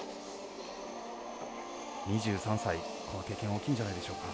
２３歳、この経験大きいんじゃないでしょうか。